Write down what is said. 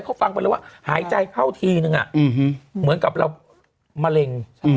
เขาฟังไปเลยว่าหายใจเข้าทีนึงเหมือนกับเรามะเร็ง